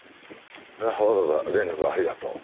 わざわざ連絡ありがとう。